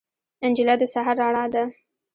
نجلۍ د سحر رڼا ده.